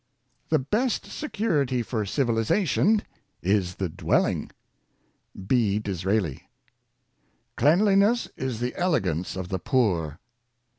The best security for civilization is the dwelling." — B. DiSRAELI. ''Cleanliness is the elegance of the poor."